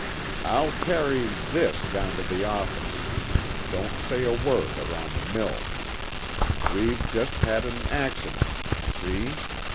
I'll carry this down to the office. Don't say a word around the mill. We've just had an accident. See?